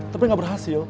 tapi gak berhasil